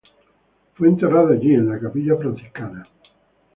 Fue enterrado allí, en la capilla franciscana.